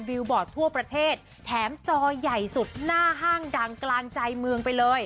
บอร์ดทั่วประเทศแถมจอใหญ่สุดหน้าห้างดังกลางใจเมืองไปเลย